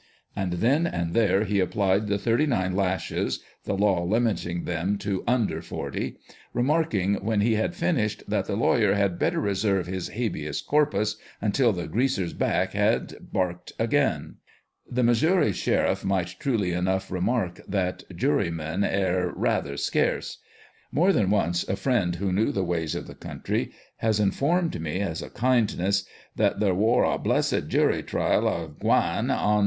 And then and there he applied the thirty nine lashes (the law limiting them to tinder forty), remarking, when he had finished, that the lawyer had better reserve his " habeas corpus until the greaser's back got barked again !" The Missouri sheriff might truly enough re mark that "jurymen aer raither scarce." More than once a friend who knew the ways of the country has informed me, as a kindness, that " there wor a (blessed) jury trial agwine on.